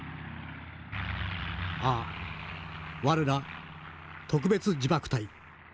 ああ我ら特別自爆隊。